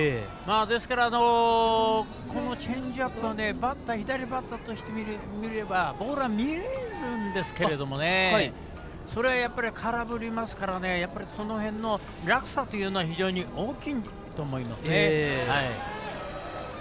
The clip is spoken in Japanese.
ですから、このチェンジアップは左バッターとしてみればボールは見えるんですがそれを、空振りますからその辺の落差というのは非常に大きいと思いますね。